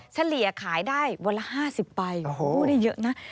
เฉลี่ยขายได้วันละ๕๐ใบโอ้โหได้เยอะนะ